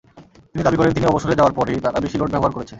তিনি দাবি করেন, তিনি অবসরে যাওয়ার পরই তারা বেশি লোড ব্যবহার করেছে।